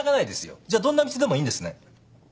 じゃあどんな道でもいいんですね？